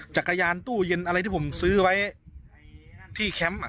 จักรยานตู้เย็นอะไรที่ผมซื้อไว้ที่แคมป์